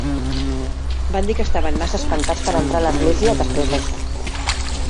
Van dir que estaven massa espantats per entrar a l'església després d'això.